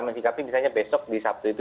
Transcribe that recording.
mensikapi misalnya besok di sabtu itu